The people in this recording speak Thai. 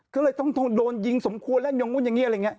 ก็เลยต้องโดนยิงสมควรเล่นอย่างนู้นอย่างนี้อะไรอย่างนี้